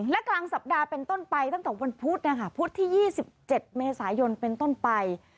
และกลางสัปดาห์เป็นต้นไปตั้งแต่วันพุธนะคะพุธที่๒๗เมษายนเป็นต้นไป